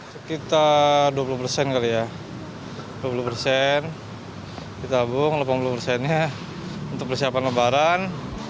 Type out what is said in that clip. sekitar dua puluh persen kali ya dua puluh persen ditabung delapan puluh persennya untuk persiapan lebaran